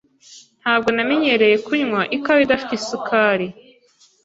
Ntabwo namenyereye kunywa ikawa idafite isukari.